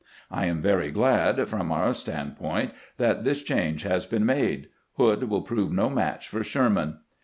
I am very glad, from our stand point, that this change has been made. Hood will prove no match for Sherman."